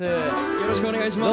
よろしくお願いします。